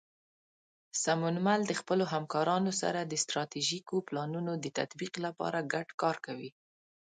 سمونمل د خپلو همکارانو سره د ستراتیژیکو پلانونو د تطبیق لپاره ګډ کار کوي.